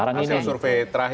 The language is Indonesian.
hasil survei terakhir